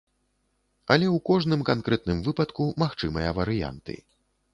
Але ў кожным канкрэтным выпадку магчымыя варыянты.